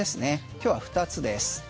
今日は２つです。